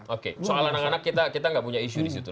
soal anak anak kita nggak punya isu disitu